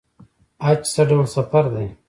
حج څه ډول سفر دی؟